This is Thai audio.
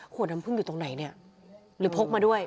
ขวดน้ำพึ่งอยู่ตรงไหนเนี่ยหรือพกมาด้วย